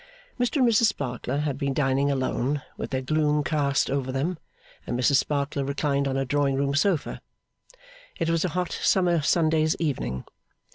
Mr and Mrs Sparkler had been dining alone, with their gloom cast over them, and Mrs Sparkler reclined on a drawing room sofa. It was a hot summer Sunday evening.